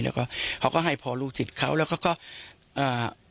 แล้วก็เขาก็ให้พอลูกศิษย์เขาแล้วเขาก็อ่า